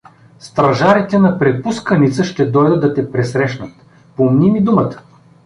Стражарите на препусканица ще дойдат да те пресрещнат, помни ми думата.